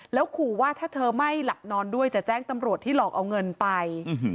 แล้วขู่ว่าถ้าเธอไม่หลับนอนด้วยจะแจ้งตำรวจที่หลอกเอาเงินไป